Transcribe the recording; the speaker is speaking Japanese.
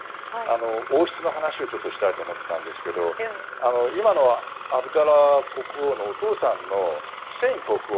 王室の話をちょっとしたいと思ってたんですけど今の国王のお父さんのフセイン国王。